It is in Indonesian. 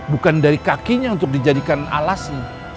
bukan dari kakinya untuk dijadikan alasnya